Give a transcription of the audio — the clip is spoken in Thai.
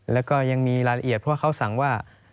แล้วก็ยังมีรายละเอียดเพราะว่าเขาสั่งว่า